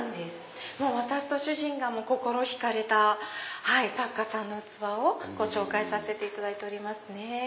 私と主人が心引かれた作家さんの器をご紹介させていただいております。